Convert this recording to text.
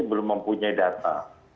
belum mempunyai data